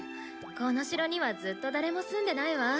この城にはずっと誰も住んでないわ。